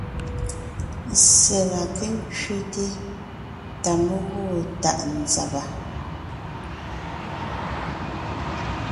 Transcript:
Ssé la ké ńkẅéte ta mé gwoon tàʼ nzàba.